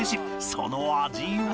その味は？